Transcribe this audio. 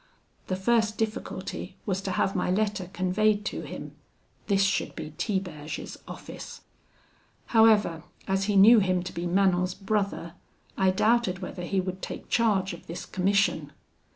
The first difficulty was to have my letter conveyed to him: this should be Tiberge's office. However, as he knew him to be Manon's brother, I doubted whether he would take charge of this commission.